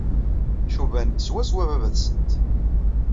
Cubant swaswa baba-tsent.